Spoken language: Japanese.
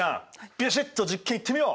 ビシッと実験いってみよう！